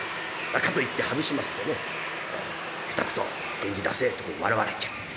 かといって外しますとね「下手くそ」と「源氏だせえ」と笑われちゃう。